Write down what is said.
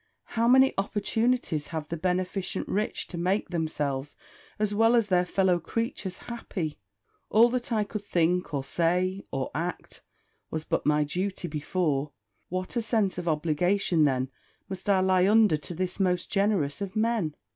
how many opportunities have the beneficent rich to make themselves, as well as their fellow creatures, happy! All that I could think, or say, or act, was but my duty before; what a sense of obligation then must I lie under to this most generous of men!